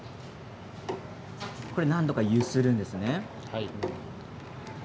何度か揺するんですね。